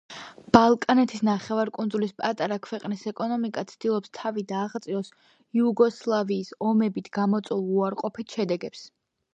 ბალკანეთის ნახევარკუნძულის პატარა ქვეყნის ეკონომიკა ცდილობს თავი დააღწიოს იუგოსლავიის ომებით გამოწვეულ უარყოფით შედეგებს.